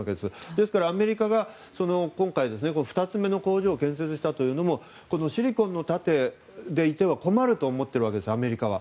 ですから、アメリカは今回２つ目の工場を建設したというのもシリコンの盾でいては困ると思っているわけですアメリカは。